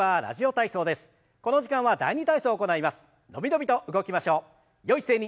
「ラジオ体操第２」。